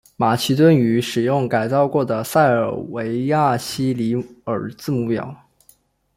马其顿语使用改造过的塞尔维亚西里尔字母表。